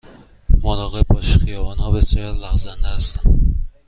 مراقب باش، خیابان ها بسیار لغزنده هستند.